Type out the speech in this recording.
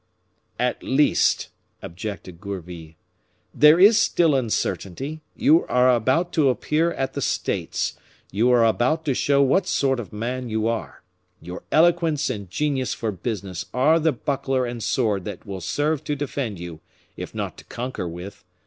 "At least," objected Gourville, "there is still uncertainty; you are about to appear at the States; you are about to show what sort of man you are; your eloquence and genius for business are the buckler and sword that will serve to defend you, if not to conquer with.